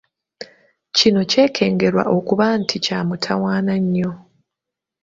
Kino kyekengerwa okuba nti kya mutawaana nnyo.